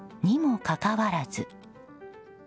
にもかかわらず。